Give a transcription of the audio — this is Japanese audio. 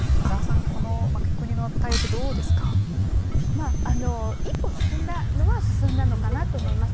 まあ一歩進んだのは進んだのかなと思います。